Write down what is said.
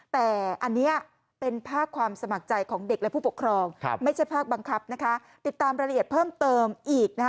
แต่อันนี้เป็นภาคความสมัครใจ